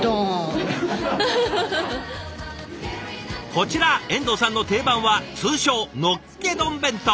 こちら遠藤さんの定番は通称のっけ丼弁当。